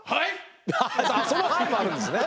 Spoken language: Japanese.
あっその「はい」もあるんですね。